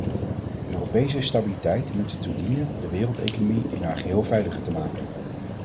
Europese stabiliteit moet ertoe dienen de wereldeconomie in haar geheel veiliger te maken.